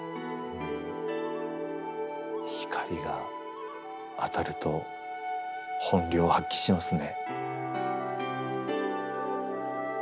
光が当たると本領を発揮しますね。